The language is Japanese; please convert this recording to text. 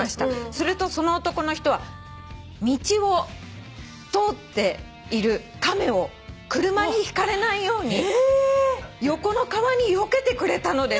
「するとその男の人は道を通っている亀を車にひかれないように横の川によけてくれたのです」